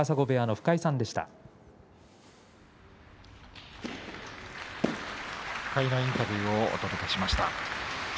深井のインタビューをお届けしました。